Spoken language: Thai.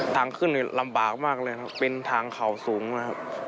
ทางขึ้นนี่ลำบากมากเลยครับเป็นทางเขาสูงนะครับ